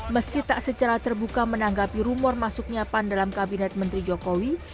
meski tak secara terbuka menanggapi rumor masuknya pan dalam kabinet menteri jokowi